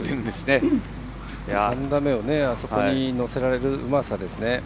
３打目をあそこに乗せられるうまさですね。